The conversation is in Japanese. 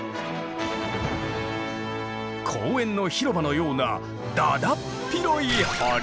公園の広場のようなだだっ広い堀！